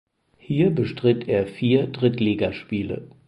Hier bestritt er vier Drittligaspiele.